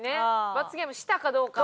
罰ゲームしたかどうかも。